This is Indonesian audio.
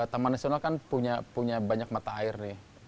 taman nasional kan punya banyak mata air nih